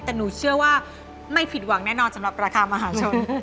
แต่หนูเชื่อว่าไม่ผิดหวังแน่นอนสำหรับราคามหาชน